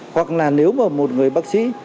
hoặc là nếu mà một người bác sĩ